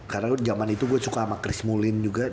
karena jaman itu gue suka ama chris mulin juga